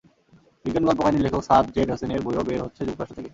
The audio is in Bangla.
বিজ্ঞান কল্পকাহিনি লেখক সাদ জেড হোসেনের বইও বের হচ্ছে যুক্তরাষ্ট্র থেকে।